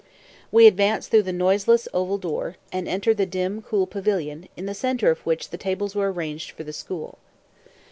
We advanced through the noiseless oval door, and entered the dim, cool pavilion, in the centre of which the tables were arranged for school.